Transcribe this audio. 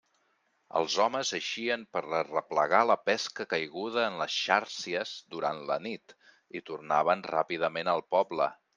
Els homes eixien per a arreplegar la pesca caiguda en les xàrcies durant la nit, i tornaven ràpidament al poble.